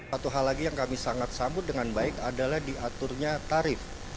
satu hal lagi yang kami sangat sambut dengan baik adalah diaturnya tarif